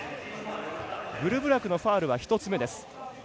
グルブラクのファウルは１つ目です。